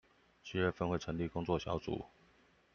七月會成立工作小組